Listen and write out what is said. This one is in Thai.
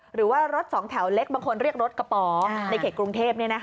หรือว่ารถสองแถวเล็กบางคนเรียกรถกระป๋อในเขตกรุงเทพ